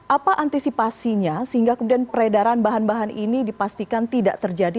apa antisipasinya sehingga kemudian peredaran bahan bahan ini dipastikan tidak terjadi